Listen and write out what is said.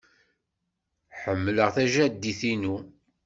Ḥemmleɣ tajaddit-inu.